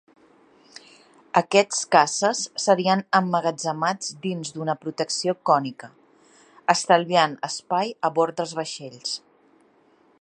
Aquests caces serien emmagatzemats dins d'una protecció cònica, estalviant espai a bord dels vaixells.